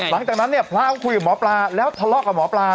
หลังจากนั้นเนี่ยพระก็คุยกับหมอปลา